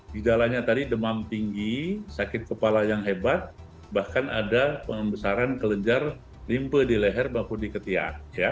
gejalanya tadi demam tinggi sakit kepala yang hebat bahkan ada pembesaran kelenjar limpe di leher maupun di ketiak